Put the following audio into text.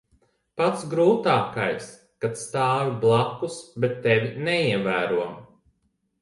Pats grūtākais - kad stāvi blakus, bet tevi neievēro.